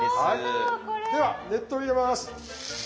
では熱湯を入れます。